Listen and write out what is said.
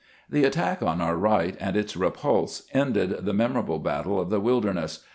The attack on our right, and its repulse, ended the memorable battle of the "Wilderness.